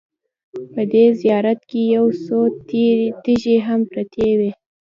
په دې زیارت کې یو څو تیږې هم پرتې وې.